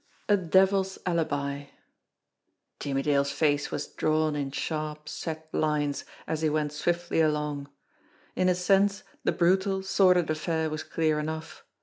XVII a devil's alibi JIMMIE DALE'S face was drawn in sharp, set lines, as he went swiftly along. In a sense the brutal, sordid affair was clear enough.